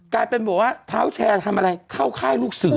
กลายเป็นบอกว่าเท้าแชร์ทำอะไรเข้าค่ายลูกเสือ